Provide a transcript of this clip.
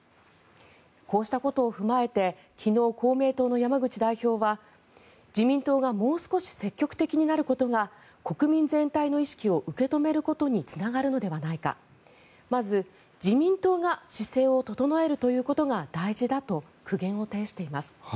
こうしたことを踏まえて昨日、公明党の山口代表は自民党がもう少し積極的になることが国民全体の意識を受け止めることにつながるのではないかまず自民党が姿勢を整えるということが大事だと苦言を呈しています。